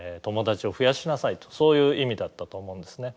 そういう意味だったと思うんですね。